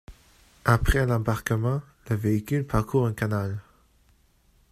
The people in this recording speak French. Après l'embarquement, le véhicule parcourt un canal.